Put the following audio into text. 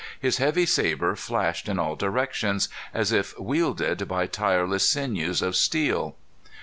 His heavy sabre flashed in all directions, as if wielded by tireless sinews of steel.